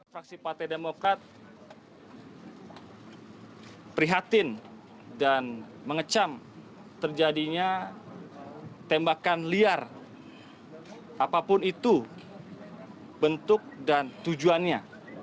fraksi partai demokrat prihatin dan mengecam terjadinya tembakan liar apapun itu bentuk dan tujuannya